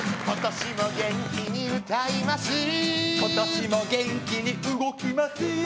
「今年も元気に動きます」